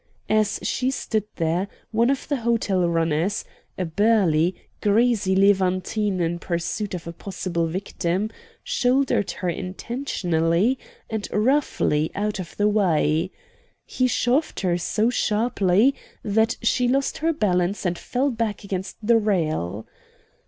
As she stood there one of the hotel runners, a burly, greasy Levantine in pursuit of a possible victim, shouldered her intentionally and roughly out of the way. He shoved her so sharply that she lost her balance and fell back against the rail.